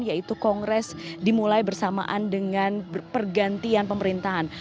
yaitu kongres dimulai bersamaan dengan pergantian pemerintahan